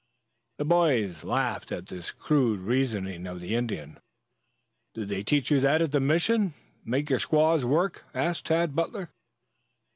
The boys laughed at this crude reasoning of the Indian. "Did they teach you at the Mission to make your squaws work?" asked Tad Butler.